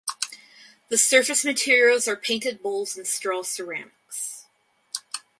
The surface materials are painted bowls and straw ceramics.